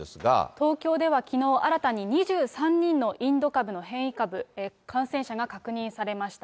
東京ではきのう、新たに２３人のインド株の変異株、感染者が確認されました。